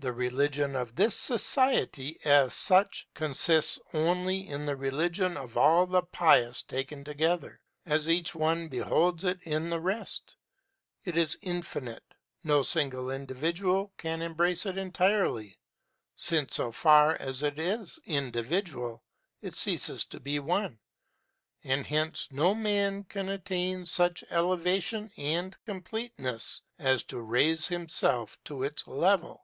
The religion of this society, as such, consists only in the religion of all the pious taken together, as each one beholds it in the rest it is Infinite; no single individual can embrace it entirely, since so far as it is individual it ceases to be one, and hence no man can attain such elevation and completeness as to raise himself to its level.